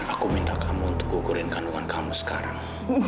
aku minta kamu untuk gugurin kandungan kamu sekarang